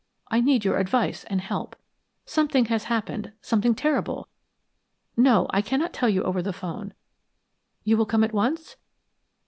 I need your advice and help. Something has happened something terrible! No, I cannot tell you over the 'phone. You will come at once?